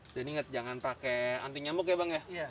dan ingat jangan pakai anti nyamuk ya bang ya